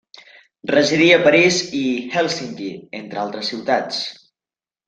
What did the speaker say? Residí a París i Hèlsinki, entre altres ciutats.